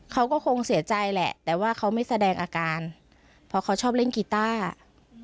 เขาก็คงเสียใจแหละแต่ว่าเขาไม่แสดงอาการเพราะเขาชอบเล่นกีต้าอ่ะ